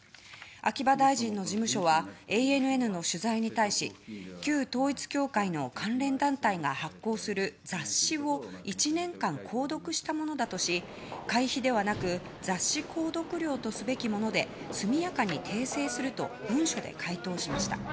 秋葉大臣の事務所はＡＮＮの取材に対し旧統一教会の関連団体が発行する雑誌を１年間購読したものだとし会費ではなく雑誌購読料とすべきもので速やかに訂正すると文書で回答しました。